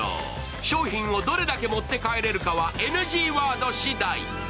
商品をどれだけ持って帰れるかはＮＧワードしだい。